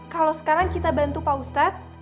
kalau sekarang kita bantu pak ustadz